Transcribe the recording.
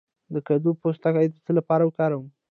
د کدو پوستکی د څه لپاره وکاروم؟